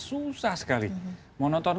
susah sekali mau nonton